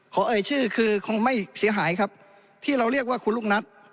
เอ่ยชื่อคือคงไม่เสียหายครับที่เราเรียกว่าคุณลูกนัท